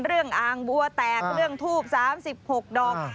อ่างบัวแตกเรื่องทูบ๓๖ดอก